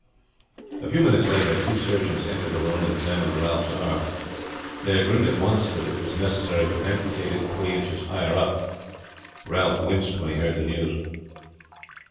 A few minutes later two surgeons entered the room and examined Ralph's arm. They agreed at once that it was necessary to amputate it three inches higher up, Ralph winced when he heard the news.